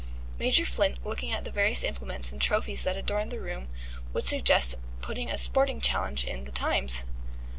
Major Flint, looking at the various implements and trophies that adorned the room, would suggest putting a sporting challenge in The Times.